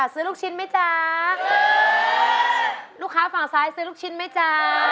ซื้อไหมจ๊ะหมูปิ้งอร่อยกับลูกชิ้นอร่อยจ๊ะ